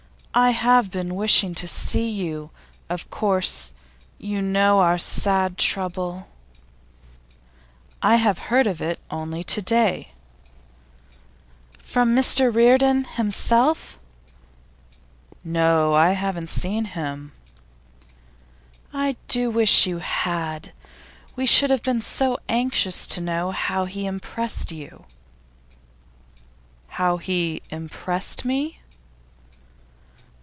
'I have been wishing to see you. Of course, you know of our sad trouble?' 'I have heard of it only to day.' 'From Mr Reardon himself?' 'No; I haven't seen him.' 'I do wish you had! We should have been so anxious to know how he impressed you.' 'How he impressed me?